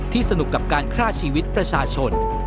สนุกกับการฆ่าชีวิตประชาชน